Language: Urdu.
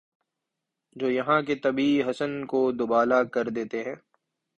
جو یہاں کے طبعی حسن کو دوبالا کر دیتے ہیں